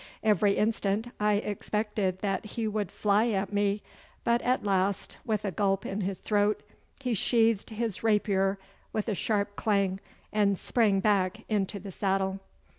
Every instant I expected that he would fly at me, but at last, with a gulp in his throat, he sheathed his rapier with a sharp clang, and sprang back into the saddle.